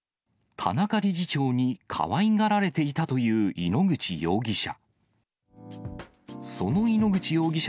田中理事長にかわいがられていたという井ノ口容疑者。